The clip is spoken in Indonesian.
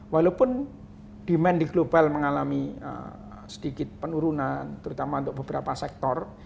walaupun demand di global mengalami sedikit penurunan terutama untuk beberapa sektor